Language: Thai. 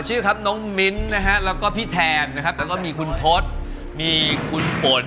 ชื่อครับน้องมิ้นแล้วก็พี่แทนแล้วก็มีคุณทศมีคุณปน